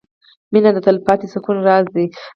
• مینه د تلپاتې سکون راز دی.